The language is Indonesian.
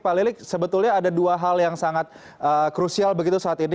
pak lilik sebetulnya ada dua hal yang sangat krusial begitu saat ini